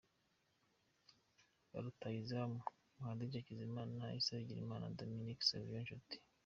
Ba rutahizamu: Muhadjiri Hakizimana, Issa Bigirimana na Dominique Savio Nshuti